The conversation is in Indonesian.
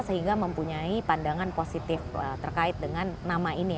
sehingga mempunyai pandangan positif terkait dengan nama ini